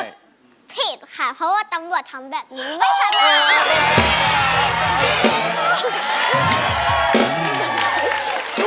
ผิดค่ะเพราะว่าตำรวจทำแบบนี้ไม่พัฒนาเลย